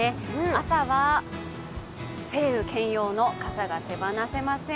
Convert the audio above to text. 朝は晴雨兼用の傘が手放せません。